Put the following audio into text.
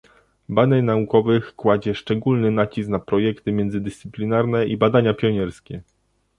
Badań Naukowych kładzie szczególny nacisk na projekty międzydyscyplinarne i badania pionierskie